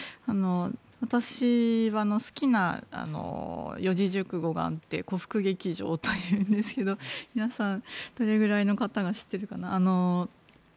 私は好きな四字熟語があって鼓腹撃壌というんですが皆さん、どれぐらいの方が知ってるかな。